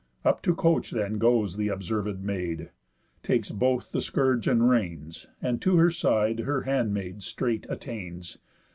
Up to coach then goes Th' observéd Maid, takes both the scourge and reins, And to her side her handmaid straight attains.